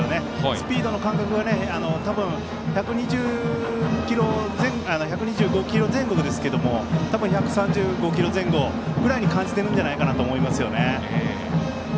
スピードの感覚を多分、１２５キロ前後ですけど多分、１３５キロ前後に感じてるんじゃないかと思います。